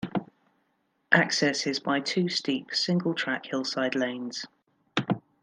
Access is by two steep, single-track hillside lanes.